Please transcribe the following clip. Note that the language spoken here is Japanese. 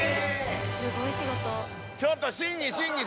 すごい仕事。